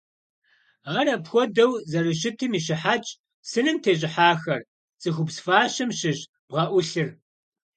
Ар апхуэдэу зэрыщытым и щыхьэтщ сыным тещӀыхьахэр – цӀыхубз фащэм щыщ бгъэӀулъыр.